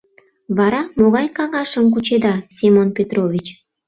Вара могай каҥашым кучеда, Семон Петрович?